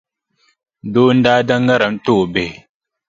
Doo n-daa da ŋariŋ n-ti o bihi.